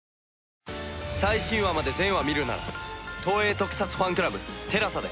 最新話まで全話見るなら東映特撮ファンクラブＴＥＬＡＳＡで。